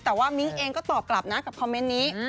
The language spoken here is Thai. แต่ว่ามิ้งเองก็ตอบกลับนะกับคอมเมนต์นี้